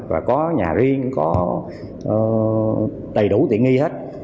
và có nhà riêng có đầy đủ tiện nghi hết